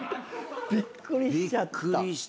びっくりしちゃった。